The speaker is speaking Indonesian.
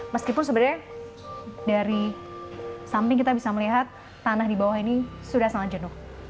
meskipun sebenarnya dari samping kita bisa melihat tanah di bawah ini sudah sangat jenuh